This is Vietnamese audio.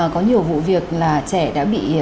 có nhiều vụ việc là trẻ đã bị